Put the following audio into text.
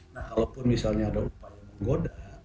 nah kalaupun misalnya ada upaya menggoda